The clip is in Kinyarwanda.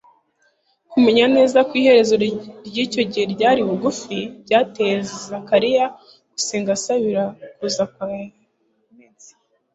Kumenya neza ko iherezo ry'icyo gihe ryari bugufi, byateye Zakariya gusenga asabira kuza kwa Mesiya